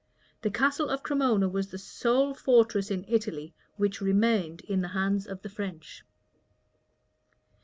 The castle of Cremona was the sole fortress in Italy which remained in the hands of the French.